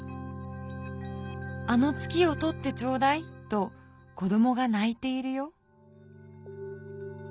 『あの月を取ってちょうだい』と子どもがないているよ」。